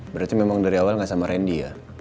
berarti memang dari awal gak sama randy ya